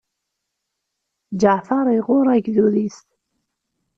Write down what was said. Ǧaɛfeṛ iɣuṛṛ agdud-is.